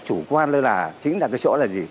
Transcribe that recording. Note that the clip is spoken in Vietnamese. cái chủ quan đó là